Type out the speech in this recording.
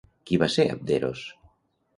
Qui va ser Abderos?